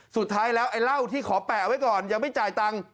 สุดท้ายแล้วไอ้เหล้าที่ขอแปะไว้ก่อนยังไม่จ่ายตังค์